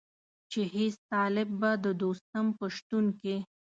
چې هېڅ طالب به د دوستم په شتون کې.